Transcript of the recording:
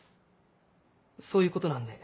そういうことなんで。